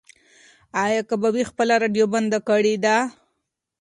ایا کبابي خپله راډیو بنده کړې ده؟